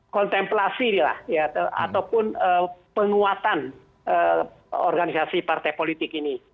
kontemplasi lah ya ataupun penguatan organisasi partai politik ini